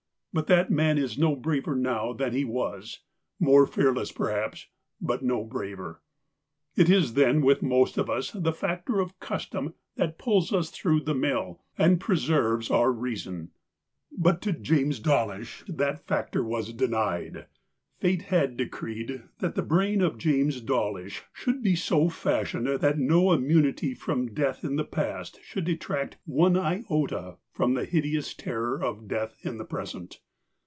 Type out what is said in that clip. But that man is no braver now than he was : more fearless, perhaps, but no braver. It is, then, with most of us, the factor of custom that pulls us through the mill, and preserves our reason. But to James Dawlish that factor was denied. Fate had decreed that the brain of James Dawlish should be so fashioned that no immunity from death in the past should detract one iota from the hideous terror of death in the present.